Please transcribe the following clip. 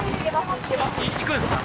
行くんですか？